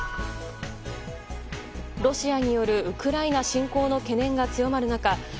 ロシアによるウクライナ侵攻の懸念が強まる中